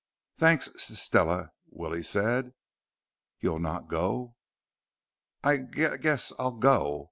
"Thanks, S Stella," Willie said. "You'll not go?" "I g guess I'll go.